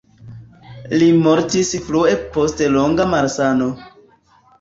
Li mortis frue post longa malsano.